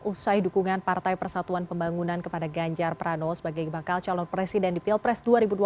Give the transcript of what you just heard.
usai dukungan partai persatuan pembangunan kepada ganjar pranowo sebagai bakal calon presiden di pilpres dua ribu dua puluh